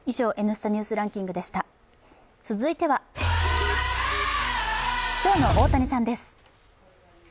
続いては、今日の大谷さんです。